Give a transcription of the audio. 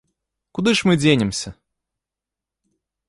Куды ж мы дзенемся?